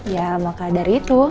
ya maka dari itu